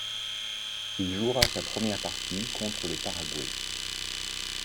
Il jouera sa première partie contre le Paraguay.